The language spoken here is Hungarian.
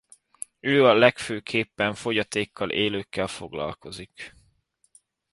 Ő legfőképpen fogyatékkal élőkkel foglalkozik.